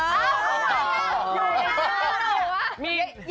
ก็ไหวอะ